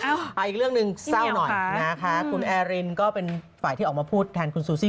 ไปอีกเรื่องหนึ่งเศร้าหน่อยนะคะคุณแอรินก็เป็นฝ่ายที่ออกมาพูดแทนคุณซูซี่